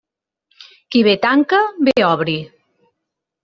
Qui bé tanca, bé obri.